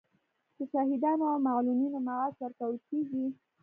د شهیدانو او معلولینو معاش ورکول کیږي؟